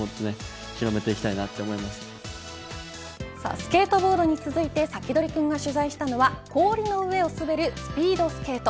スケートボードに続いてサキドリくんが取材したのは氷の上を滑るスピードスケート。